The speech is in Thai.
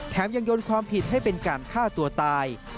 ยังโยนความผิดให้เป็นการฆ่าตัวตาย